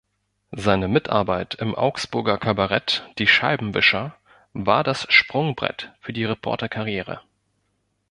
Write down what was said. Seine Mitarbeit im Augsburger Kabarett „Die Scheibenwischer“ war das Sprungbrett für die Reporter-Karriere.